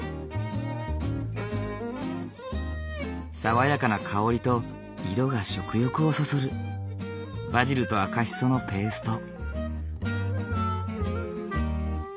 爽やかな香りと色が食欲をそそるバジルとアカシソのペースト。